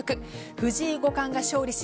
藤井五冠が勝利し